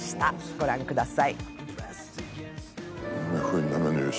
ご覧ください。